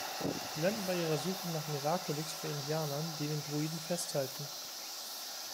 Sie landen bei ihrer Suche nach Miraculix bei Indianern, die den Druiden festhalten.